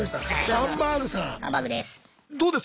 ハンバーグです。